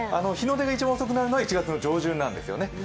日の出で一番遅くなるのは１月の上旬なんですよね。